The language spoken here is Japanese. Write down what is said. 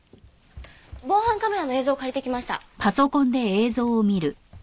防犯カメラの映像を借りてきました。